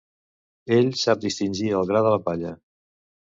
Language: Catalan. Ell sap distingir el gra de la palla.